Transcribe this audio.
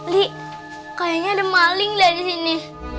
li kayaknya ada maling lah disini